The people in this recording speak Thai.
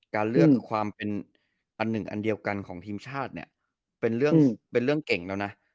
การเลือกความเป็นอันหนึ่งอันเดียวกันของทีมชาติเนี่ยเป็นเรื่องเป็นเรื่องเก่งแล้วนะ